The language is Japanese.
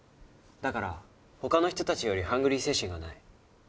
だから他の人たちよりハングリー精神がない。